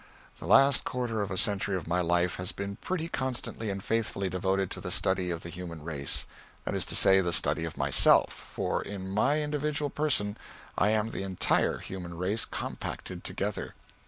The last quarter of a century of my life has been pretty constantly and faithfully devoted to the study of the human race that is to say, the study of myself, for, in my individual person, I am the entire human race compacted together.